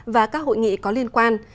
và các hội nghị có liên quan